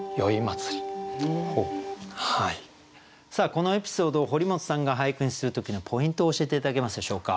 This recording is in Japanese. このエピソードを堀本さんが俳句にする時のポイントを教えて頂けますでしょうか。